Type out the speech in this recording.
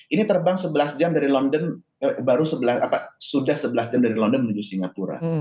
ini terbang sebelas jam dari london baru sudah sebelas jam dari london menuju singapura